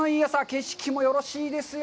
景色もよろしいですよ。